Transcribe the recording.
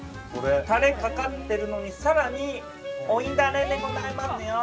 タレかかってるのにさらにおいだれでございますのよ！